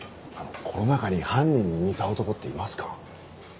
この中に犯人に似た男っていますか？